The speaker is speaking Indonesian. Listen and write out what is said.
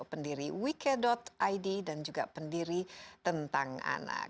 pendiri wike id dan juga pendiri tentang anak